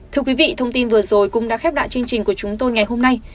thưa quý vị thông tin vừa rồi cũng đã khép lại chương trình của chúng tôi ngày hôm nay